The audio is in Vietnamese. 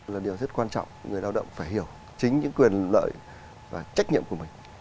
là điều rất quan trọng người lao động phải hiểu chính những quyền lợi và trách nhiệm của mình